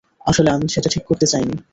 আসলে, আমি সেটা ঠিক করতে চাইনি।